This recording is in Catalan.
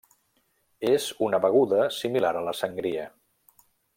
És una beguda similar a la sangria.